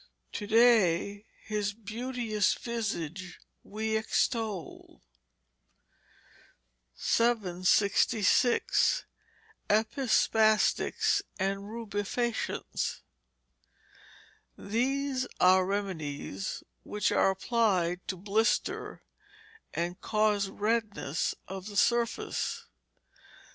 [TO DAY, HIS BEAUTEOUS VISAGE WE EXTOL.] 766. Epispastics and Rubefacients. These are remedies which are applied to blister and cause redness of the surface.